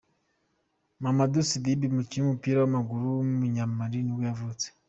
Mamady Sidibé, umukinnyi w’umupira w’amaguru w’umunyamali nibwo yavutse.